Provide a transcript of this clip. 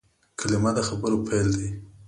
کلیمه د خبرو پیل دئ.